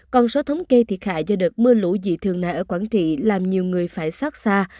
con số thống kê thiệt hại do đợt mưa lũ dị thường này ở quảng trị làm nhiều người phải xót xa